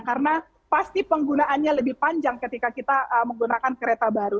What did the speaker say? karena pasti penggunaannya lebih panjang ketika kita menggunakan kereta baru